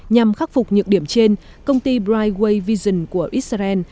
nhằm khắc phục nhược điểm trên công ty brighway vision của israel